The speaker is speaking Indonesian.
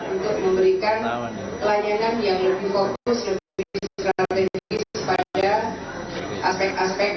untuk memberikan layanan yang lebih fokus lebih strategis pada aspek aspek